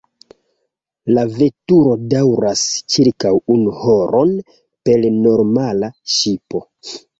La veturo daŭras ĉirkaŭ unu horon per normala ŝipo.